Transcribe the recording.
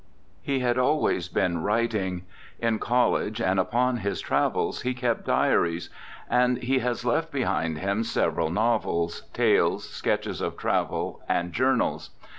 He had always been writing. In college and upon his travels he kept diaries; and he has left behind him several novels, tales, sketches of travel, and journals.